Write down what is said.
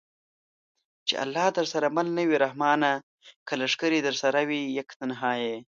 چې الله درسره مل نه وي رحمانه! که لښکرې درسره وي یک تنها یې